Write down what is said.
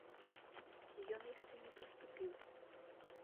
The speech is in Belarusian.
Ці ён яшчэ не паступіў?